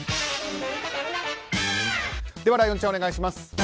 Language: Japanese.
ライオンちゃん、お願いします。